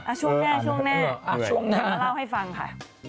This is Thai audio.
มาเล่าให้ฟังค่ะ